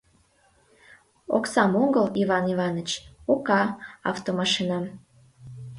Оксам огыл, Иван Иваныч, «Ока» ав-то-ма-шинам.